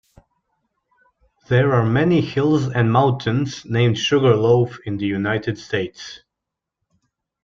There are many hills and mountains named "Sugar Loaf" in the United States.